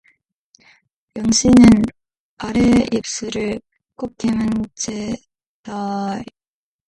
영신은 아랫입술을 꼭 깨문 채 가엾은 노인을 위로해 줄 말 한마디도 나오지 않았다.